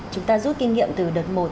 chúng ta rút kinh nghiệm từ đợt một